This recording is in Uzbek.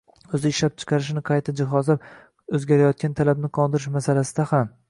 o‘z ishlab chiqarishini qayta jihozlab, o‘zgarayotgan talabni qondirish masalasida ham.